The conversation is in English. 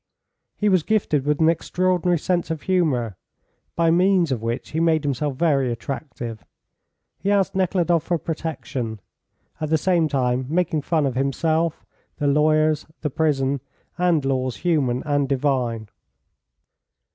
He was gifted with an extraordinary sense of humour, by means of which he made himself very attractive. He asked Nekhludoff for protection, at the same time making fun of himself, the lawyers, the prison, and laws human and divine.